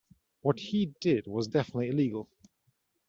What he did was definitively illegal.